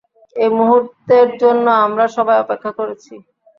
এই মূহুর্তের জন্য আমরা সবাই অপেক্ষা করেছি।